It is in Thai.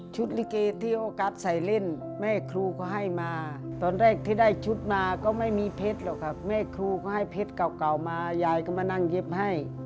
ลิเกที่โอกาสใส่เล่นแม่ครูก็ให้มาตอนแรกที่ได้ชุดมาก็ไม่มีเพชรหรอกครับแม่ครูก็ให้เพชรเก่ามายายก็มานั่งเย็บให้